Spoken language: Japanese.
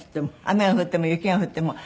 雨が降っても雪が降っても。